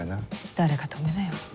誰か止めなよ。